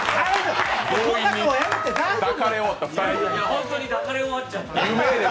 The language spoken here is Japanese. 本当に抱かれ終わっちゃったんで。